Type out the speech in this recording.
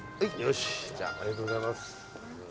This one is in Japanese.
ありがとうございます。